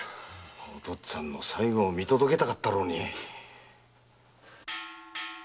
お父っつぁんの最期を見届けたかったろうに。